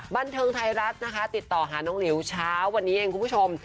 บันเทิงไทยรัฐนะคะติดต่อหาน้องหลิวเช้าวันนี้เองคุณผู้ชม